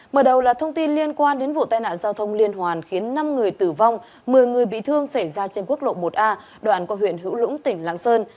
mở đầu là thông tin liên quan đến vụ tai nạn giao thông liên hoàn khiến năm người tử vong một mươi người bị thương xảy ra trên quốc lộ một a đoạn qua huyện hữu lũng tỉnh lạng sơn